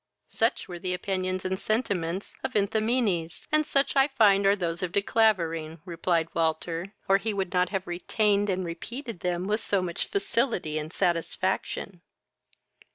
"Such were the opinions and sentiments of Enthymenes, and such I find are those of De Clavering, (replied Walter,) or he would not have retained and repeated them with so much facility and satisfaction.